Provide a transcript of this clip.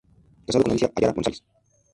Casado con "Alicia Araya González".